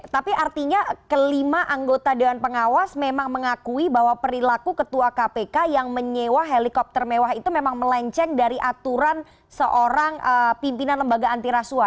tapi artinya kelima anggota dewan pengawas memang mengakui bahwa perilaku ketua kpk yang menyewa helikopter mewah itu memang melenceng dari aturan seorang pimpinan lembaga antiraswa